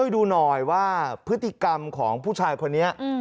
ดูหน่อยว่าพฤติกรรมของผู้ชายคนนี้